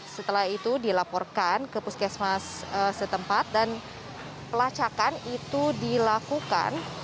setelah itu dilaporkan ke puskesmas setempat dan pelacakan itu dilakukan